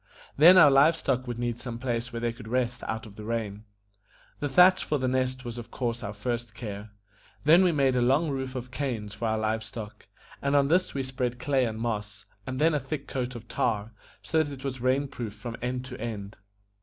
Then our live stock would need some place where they could rest out of the rain. The thatch for The Nest was of course our first care; then we made a long roof of canes for our live stock, and on this we spread clay and moss, and then a thick coat of tar, so that it was rain proof from end to end.